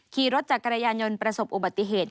ขี่รถจักรยานยนต์ประสบอุบัติเหตุ